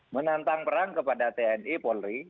menantang perang kepada tni polri